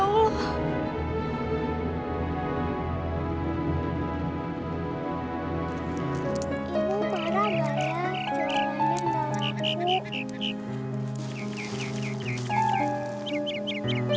jauhannya gak aku